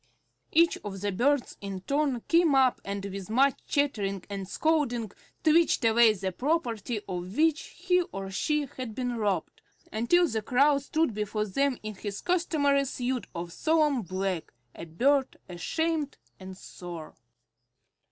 Each of the birds in turn came up and with much chattering and scolding twitched away the property of which he or she had been robbed, until the Crow stood before them in his customary suit of solemn black, a bird ashamed and sore.